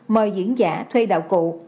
mời diễn giả thuê đạo cụ